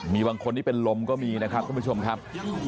มีบางคนที่เป็นลมก็มีนะครับทุกผู้ชมครับ